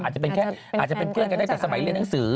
หรือแบบอาจจะเป็นเพื่อนกันได้แต่สมัยเรียนหนังสือ